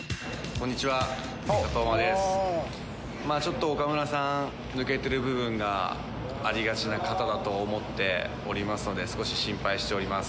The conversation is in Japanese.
まあ、ちょっと岡村さん、抜けてる部分がありがちな方だと思っておりますので、少し心配しております。